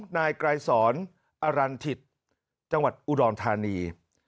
นายไกรสอนอรันถิตจังหวัดอุดรธานี